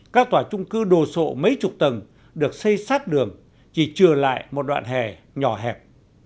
các tòa trung cư đồ sộ mấy chục tầng được xây sát đường chỉ chừa lại một đoạn hè nhỏ hẹp